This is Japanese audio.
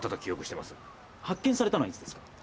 発見されたのはいつですか？